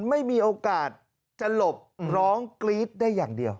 ไม่มีโอกาสจะหลบร้องกรี๊ดได้อย่างเดียว